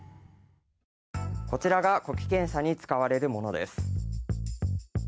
こちらが、呼気検査に使われるものです。